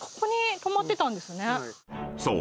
［そう。